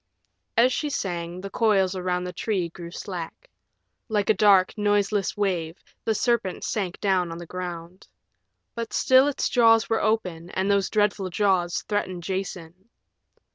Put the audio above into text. As she sang, the coils around the tree grew slack. Like a dark, noiseless wave the serpent sank down on the ground. But still its jaws were open, and those dreadful jaws threatened Jason.